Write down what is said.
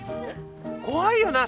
怖いよな